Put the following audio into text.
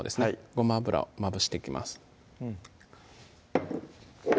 ごま油をまぶしていきます